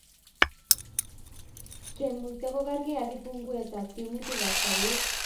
kemuita kokerkei ak kipunguetab tiemutik ab sobee